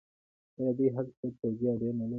آیا دوی هلته پوځي اډې نلري؟